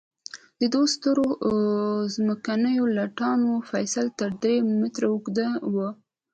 د دوو سترو ځمکنیو لټانو فسیل تر درې مترو اوږده وو.